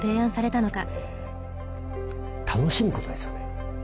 楽しむことですよね。